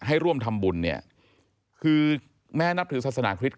ให้ร่วมทำบุญเนี่ยคือแม้นับถือศาสนาคริสต